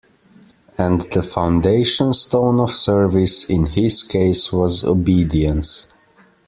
And the foundation stone of service, in his case, was obedience.